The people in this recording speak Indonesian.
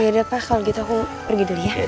yaudah pak kalau gitu aku pergi dulu ya